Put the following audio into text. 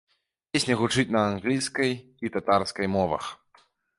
Песня гучыць на англійскай і татарскай мовах.